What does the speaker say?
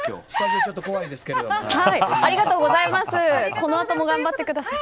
このあとも頑張ってください。